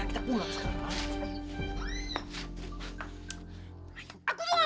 sebentar kita pulang sekarang